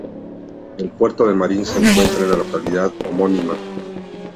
El puerto de Marín se encuentra en la localidad homónima.